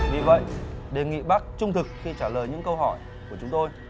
vì vậy đề nghị bắc trung thực khi trả lời những câu hỏi của chúng tôi